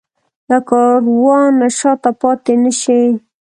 له کاروانه شاته پاتې نه شي.